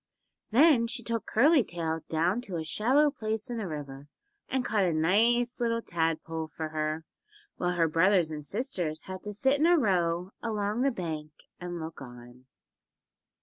Then she took Curly Tail down to a shallow place in the river and caught a nice little tadpole for her, while her brothers and sisters had to sit in a row along the bank and look on.